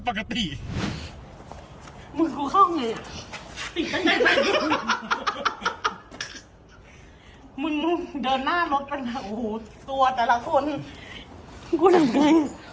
ไปล่ะมึงมาดูหัวลำบากอ่ะถ้าเข้าทางเนี้ย